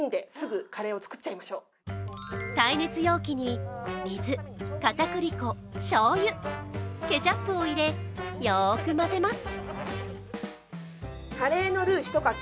耐熱容器に水、片栗粉、しょうゆ、ケチャップを入れ、よーく混ぜます。